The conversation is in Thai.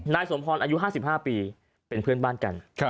สมพรอายุ๕๕ปีเป็นเพื่อนบ้านกัน